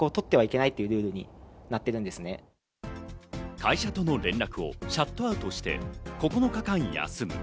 会社との連絡をシャットアウトして９日間休む。